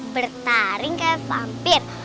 bertaring kayak vampir